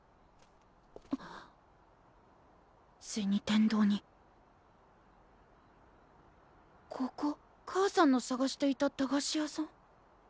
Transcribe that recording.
天堂にここ母さんの探していた駄菓子屋さん？